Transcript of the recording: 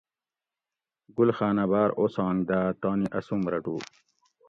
گل خاۤنہ باۤر اوسانگ داۤ تانی اسوم رٹو